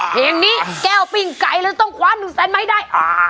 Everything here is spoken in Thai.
เพลงนี้แก้วปิ้งไก่เลยต้องคว้าหนึ่งแสนมาให้ได้